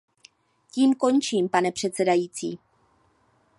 Tím končím, pane předsedající.